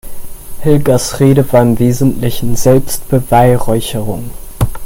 Helgas Rede war im Wesentlichen Selbstbeweihräucherung.